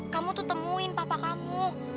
kamu tuh temuin papa kamu